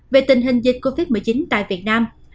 về tình hình dịch covid một mươi chín tại việt nam